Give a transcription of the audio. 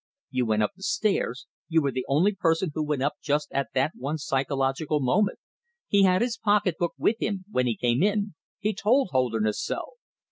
"You went up the stairs ... you were the only person who went up just at that one psychological moment! He had his pocketbook with him when he came in he told Holderness so."